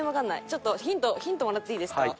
ちょっとヒントヒントもらっていいですか？